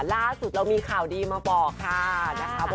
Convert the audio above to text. ล่าสุดเรามีข่าวดีมาบอกค่ะนะคะ